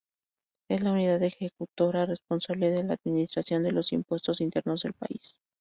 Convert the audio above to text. Es la Unidad Ejecutora responsable de la administración de los impuestos internos del país.